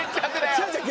違う違う。